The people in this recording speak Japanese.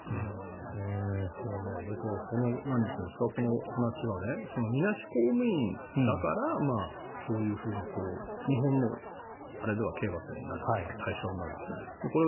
でも、僕はこの話はみなし公務員だからそういうふうに日本のあれでは刑罰の対象になる。